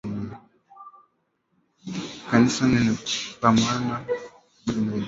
Kanisa ni maana pa kumuabudu Mungu